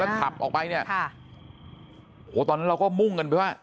แล้วขับออกไปเนี่ยโหตอนนั้นเราก็มุ่งกันไปว่า